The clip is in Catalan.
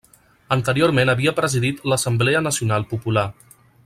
Anteriorment havia presidit l'Assemblea Nacional Popular.